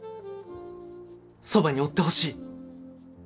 そばにおってほしい。